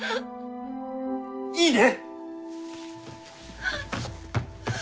いいね。